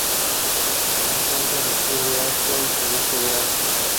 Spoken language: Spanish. Se encuentra en el Sur de Asia y Sudeste de Asia.